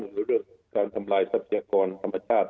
หรือเรื่องการทำลายทรัพยากรธรรมชาติ